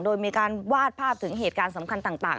โดยมีการวาดภาพถึงเหตุการณ์สำคัญต่าง